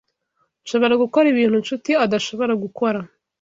Nshobora gukora ibintu Nshuti adashobora gukora.